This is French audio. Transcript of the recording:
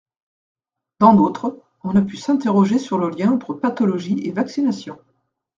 Dans d’autres, on a pu s’interroger sur le lien entre pathologies et vaccinations.